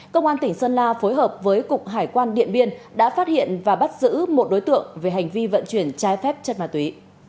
công an tỉnh sơn la phối hợp với cục hải quan điện biên đã phát hiện và bắt giữ một đối tượng về hành vi vận chuyển trái phép chất ma túy